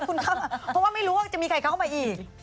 เพราะว่าไม่รู้ว่าจะมีใครเข้ามาอีก